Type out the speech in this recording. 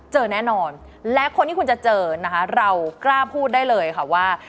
เจอแน่นอนและคนที่คุณจะเจอนะคะเรากล้าพูดได้เลยค่ะว่า